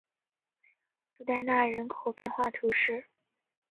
弗代纳人口变化图示